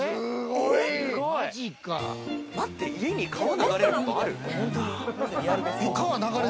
待って、家に川流れることある？